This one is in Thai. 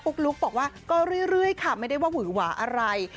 ลุ๊กบอกว่าก็เรื่อยค่ะไม่ได้ว่าหวือหวาอะไร